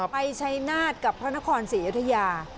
ชัยนาฏกับพระนครศรีอยุธยา